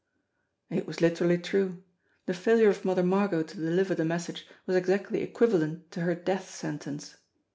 It was literally true. The failure of Mother Margot to deliver the message was exactly equivalent to her death sentence.